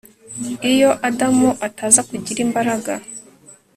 Iyo Adamu ataza kugira imbaraga